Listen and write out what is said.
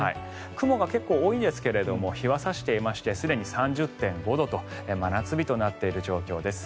雲が結構多いですけれど日は差していましてすでに３０．５度と真夏日となっている状況です。